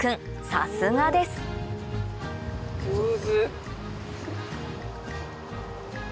さすがです上手。